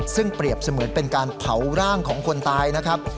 ซึ่งเปรียบเสมือนเป็นการเผาร่างของคนตายนะครับ